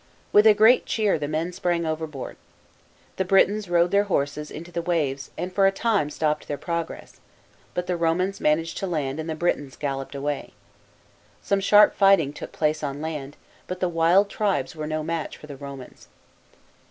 With a great cheer the men sprang overboard. The Britons rode their horses into the waves and for a time stopped their pro gress, but the Romans managed to land and the Britons galloped away. Some sharp fighting took place on land, but the wild tribes were no match for the Romans.